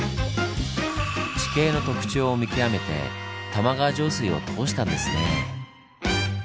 地形の特徴を見極めて玉川上水を通したんですねぇ。